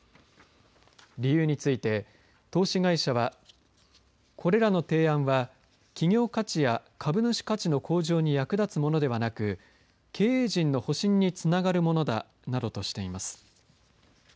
理由について投資会社はこれらの提案は企業価値や株主価値の向上に役立つものではなく経営陣の保身につながるものだなどとしています。